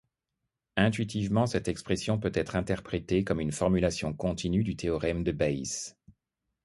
Intuitivement, cette expression peut être interprétée comme une formulation continue du théorème de Bayes.